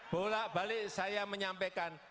bolak balik saya menyampaikan